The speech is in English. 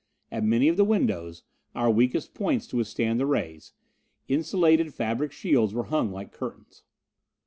At many of the windows our weakest points to withstand the rays insulated fabric shields were hung like curtains.